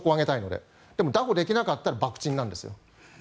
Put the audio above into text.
でも、だ捕できなかったら爆沈なんです。